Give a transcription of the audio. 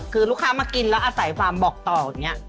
คือลูกค้ามากินแล้วอาศัยความบอกต่ออย่างนี้